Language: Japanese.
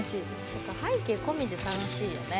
そっか背景込みで楽しいよね。